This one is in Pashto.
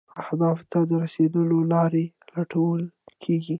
اهدافو ته د رسیدو لارې لټول کیږي.